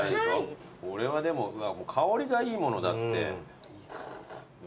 これは香りがいいものだって。